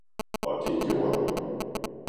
Og det gjorde den.